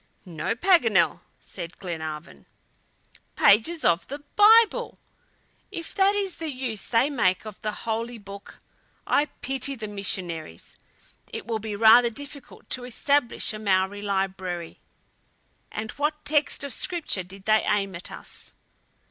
"No, Paganel!" said Glenarvan. "Pages of the Bible! If that is the use they make of the Holy Book, I pity the missionaries! It will be rather difficult to establish a Maori library." "And what text of scripture did they aim at us?"